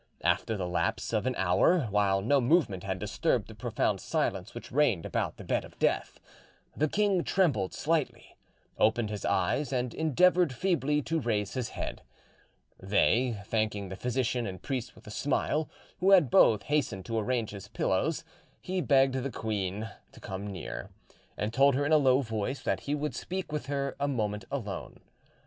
After the lapse of an hour, while no movement had disturbed the profound silence which reigned about the bed of death, the king trembled slightly; opened his eyes, and endeavoured feebly to raise his head. They thanking the physician and priest with a smile, who had both hastened to arrange his pillows, he begged the queen to come near, and told her in a low voice that he would speak with her a moment alone.